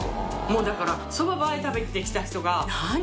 もうだからそばを食べてきた人が何？